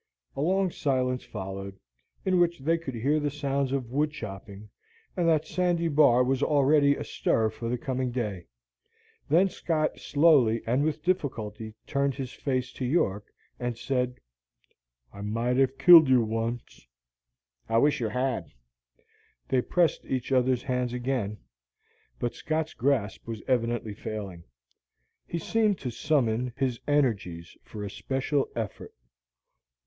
A long silence followed, in which they could hear the sounds of wood chopping, and that Sandy Bar was already astir for the coming day. Then Scott slowly and with difficulty turned his face to York, and said, "I might hev killed you once." "I wish you had." They pressed each other's hands again, but Scott's grasp was evidently failing. He seemed to summon his energies for a special effort.